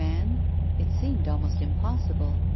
man ? It seemed almost impossible.